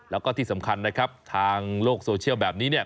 แล้วก็ที่สำคัญนะครับทางโลกโซเชียลแบบนี้เนี่ย